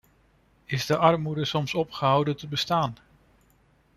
Is de armoede soms opgehouden te bestaan?